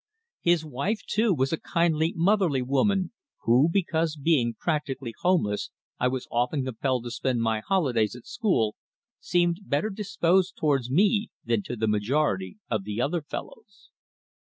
His wife, too, was a kindly motherly woman who, because being practically homeless I was often compelled to spend my holidays at school, seemed better disposed towards me than to the majority of the other fellows.